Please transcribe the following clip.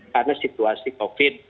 karena situasi covid